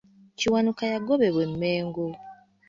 Kiwanuka yagobebwa e Mengo.